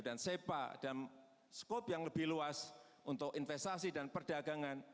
dan sepa dan skop yang lebih luas untuk investasi dan perdagangan